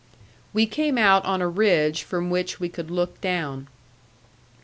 We came out on a ridge from which we could look down.